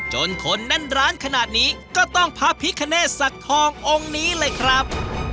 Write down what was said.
จนคนแน่นร้านขนาดนี้ก็ต้องพระพิคเนตสักทององค์นี้เลยครับ